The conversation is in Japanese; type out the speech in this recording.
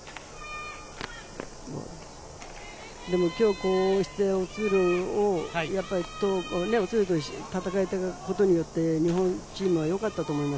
でも今日こうしてオトゥールと戦えたことによって日本のチームはよかったと思います。